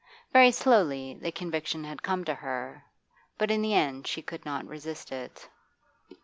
Very slowly the conviction had come to her, but in the end she could not resist it.